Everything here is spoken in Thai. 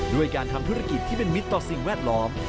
ด้วยการทำธุรกิจที่เป็นมิตรต่อสิ่งแวดล้อม